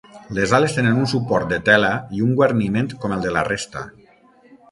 Les ales tenen un suport de tela i un guarniment com el de la resta.